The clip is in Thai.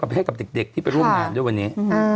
ให้กับเด็กที่ไปร่วมงานด้วยวันนี้